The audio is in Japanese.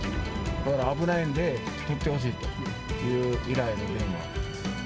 だから危ないんで取ってほしいっていう、そういう依頼の電話。